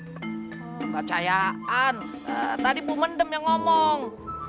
kepercayaan tadi bu mendem yang ngomong